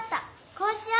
こうしよう。